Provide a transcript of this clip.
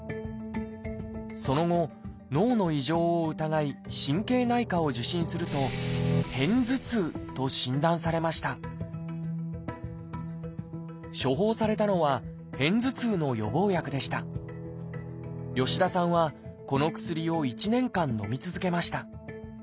その後脳の異常を疑い神経内科を受診すると「片頭痛」と診断されました処方されたのは吉田さんはこの薬を１年間のみ続けました。